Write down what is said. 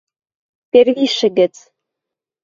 — Первишӹ гӹц.